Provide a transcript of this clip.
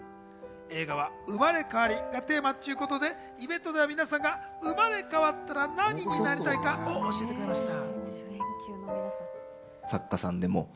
映画は生まれ変わりがテーマっちゅうことで、イベントでは皆さんが生まれ変わったら何になりたいかを教えてくれました。